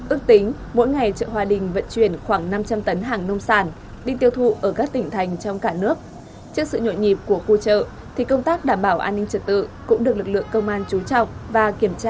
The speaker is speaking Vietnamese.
ước tính mỗi ngày chợ hòa đình vận chuyển khoảng năm trăm linh tấn hàng nông sản đi tiêu thụ ở các tỉnh thành trong cả nước